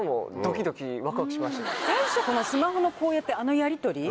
最初スマホのこうやってあのやりとり。